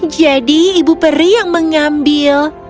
jadi ibu peri yang mengambil